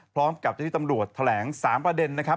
พร้อมกับเจ้าธิตัมรวชแถลง๓ประเด็นนะครับ